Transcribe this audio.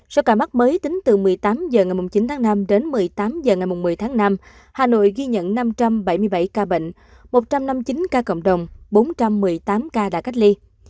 số ca mắc mới tính từ một mươi tám h ngày chín tháng năm đến một mươi tám h ngày một mươi tháng năm hà nội ghi nhận năm trăm bảy mươi bảy ca bệnh một trăm năm mươi chín ca cộng đồng bốn trăm một mươi tám ca đã cách ly